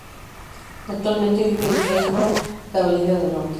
Actualmente vive en Greensboro, Carolina del Norte.